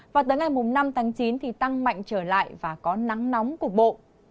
và tới ngày năm tháng chín thì tăng mạnh trở lại và có nắng nóng cục bộ